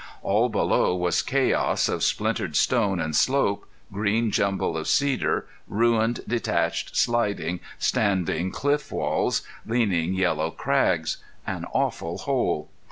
All below was chaos of splintered stone and slope, green jumble of cedar, ruined, detached, sliding, standing cliff walls, leaning yellow crags an awful hole.